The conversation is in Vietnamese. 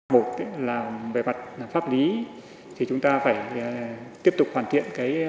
một là về mặt pháp lý thì chúng ta phải tiếp tục hoàn thiện